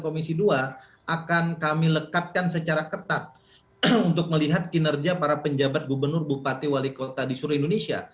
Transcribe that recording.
komisi dua akan kami lekatkan secara ketat untuk melihat kinerja para penjabat gubernur bupati wali kota di seluruh indonesia